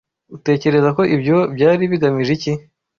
Utekereza ko ibyo byari bigamije iki?